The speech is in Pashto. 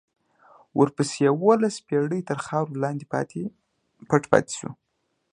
ورپسې یوولس پېړۍ تر خاورو لاندې پټ پاتې شو.